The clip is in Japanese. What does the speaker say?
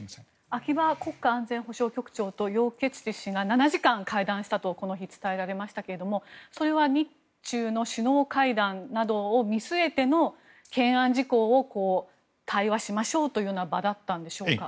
秋葉国家安全保障局長とヨウ・ケツチ氏が７時間会談したとこの日、伝えられましたがそれは日中首脳会談などを見据えての懸案事項を対話しましょうという場だったんでしょうか？